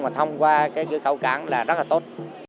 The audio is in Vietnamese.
mà thông qua cái cửa khẩu cảng là rất là tốt